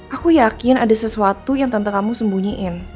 aku yakin ada sesuatu yang tentang kamu sembunyiin